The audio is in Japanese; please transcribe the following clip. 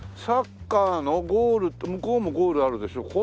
サッカーのゴール向こうもゴールあるでしょ。